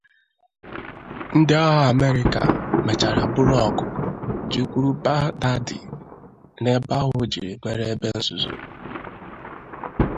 Ndị agha Amerịka mechara buru ọgụ jekwuru Baghdadi n’ebe ahụ o jiri mere ebe nzuzo